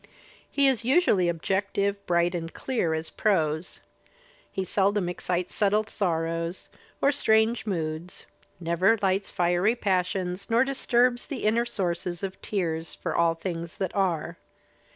He is usually objective, bright and clear as prose. He seldom excites subtle sorrows or strange moods, never lights fiery passions nor disturbs the inner sources of tears for all things that are.